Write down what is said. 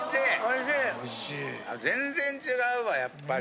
全然違うわやっぱり。